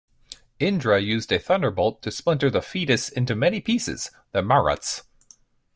Indra used a thunderbolt to splinter the fetus into many pieces, the Maruts.